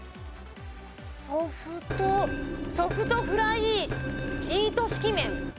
ソフトソフトフライミート式麺。